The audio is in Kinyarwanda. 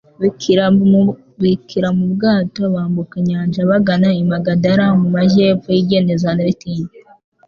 bikira mu bwato, bambuka inyanja bagana i Magadara, mu majyepfo y'i Genezareti.